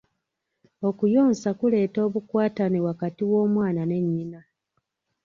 Okuyonsa kuleeta obukwatane wakati w'omwana ne nnyina.